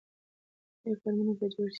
نوي فارمونه به جوړ شي.